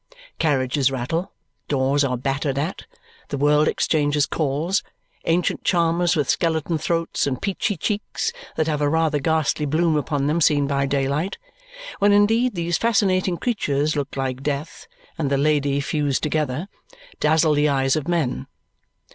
Carriages rattle, doors are battered at, the world exchanges calls; ancient charmers with skeleton throats and peachy cheeks that have a rather ghastly bloom upon them seen by daylight, when indeed these fascinating creatures look like Death and the Lady fused together, dazzle the eyes of men.